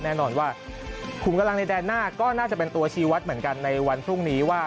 แน่นอนว่าขุมกำลังในแดนหน้าก็น่าจะเป็นตัวชีวัตรเหมือนกันในวันพรุ่งนี้ว่า